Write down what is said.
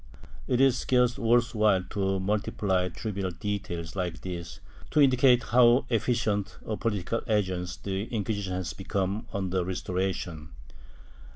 It is scarce worth while to multiply trivial details like these to indicate how efficient a political agency the Inquisition had become under the Restoration.